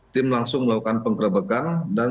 tim langsung melakukan pengkerabakan